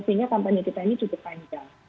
sehingga kampanye kita ini cukup panjang